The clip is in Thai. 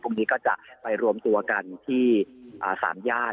พรุ่งนี้ก็จะไปรวมตัวกันที่๓ย่าน